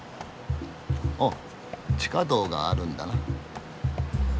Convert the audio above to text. お地下道があるんだな。